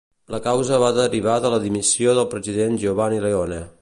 La causa va derivar de la dimissió del president Giovanni Leone.